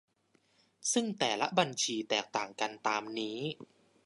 ซึ่งแต่ละบัญชีแตกต่างกันตามนี้